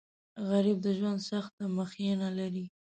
غریب د ژوند سخته مخینه لري